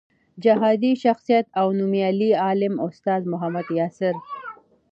جهادي شخصیت او نومیالی عالم استاد محمد یاسر